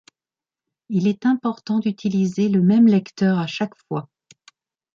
Il est important d'utiliser le même lecteur à chaque fois.